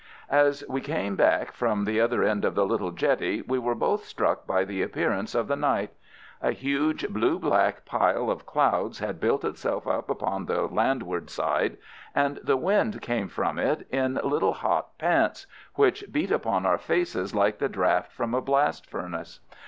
As we came back from the other end of the little jetty we were both struck by the appearance of the night. A huge blue black pile of clouds had built itself up upon the landward side, and the wind came from it in little hot pants, which beat upon our faces like the draught from a blast furnace.